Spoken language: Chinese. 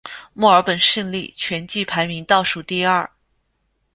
墨尔本胜利全季排名倒数第二。